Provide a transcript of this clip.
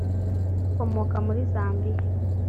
ukomoka muri Zambia